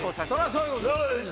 そういうことです。